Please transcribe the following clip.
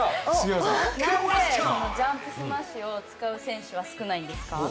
なぜジャンピングスマッシュを使う選手が少ないんですか？